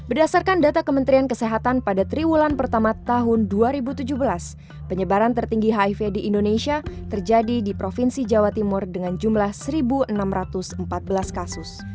berdasarkan data kementerian kesehatan pada triwulan pertama tahun dua ribu tujuh belas penyebaran tertinggi hiv di indonesia terjadi di provinsi jawa timur dengan jumlah satu enam ratus empat belas kasus